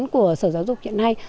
của sở giáo dục hiện nay